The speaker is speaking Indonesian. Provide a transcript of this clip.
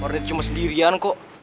orde cuma sendirian kok